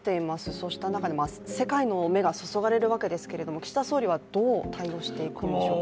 そうした中に、世界の目が注がれるわけですけれども、岸田総理はどう対応していくんでしょうか。